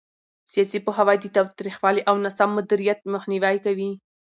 سیاسي پوهاوی د تاوتریخوالي او ناسم مدیریت مخنیوي کوي